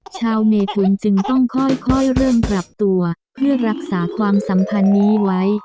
ชาวเมทุนจึงต้องค่อยเริ่มปรับตัวเพื่อรักษาความสัมพันธ์นี้ไว้